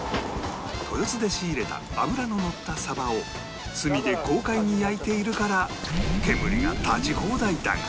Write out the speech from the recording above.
豊洲で仕入れた脂ののったサバを炭で豪快に焼いているから煙が立ち放題だが